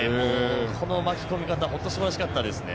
この巻き込み方は本当にすばらしかったですね。